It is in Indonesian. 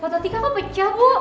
foto tiga apa pecah bu